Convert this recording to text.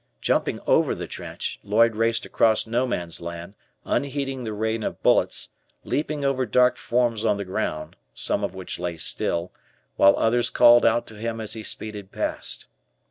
Jumping over the trench, Lloyd raced across "No Man's Land," unheeding the rain of bullets, leaping over dark forms on the ground, some of which lay still, while others called out to him as he speeded past.